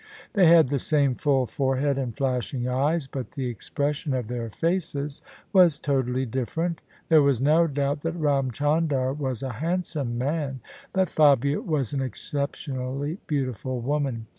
They had the same full forehead and flashing eyes : but the expression of their faces was totally different. There was no doubt that Ram Chan dar was a handsome man: but Fabia was an exceptionally beautiful woman.